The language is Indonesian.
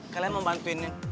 kalian mau bantuin